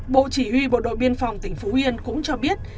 bộ chỉ huy bộ đội biên phòng tỉnh phú yên cũng cho biết